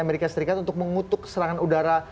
amerika serikat untuk mengutuk serangan udara